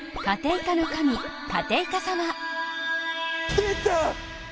出た！